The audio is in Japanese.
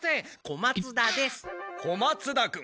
小松田君